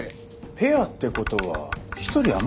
ペアってことは１人余るね。